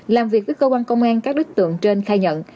làm việc với cơ quan công an các đối tượng trên khai nhận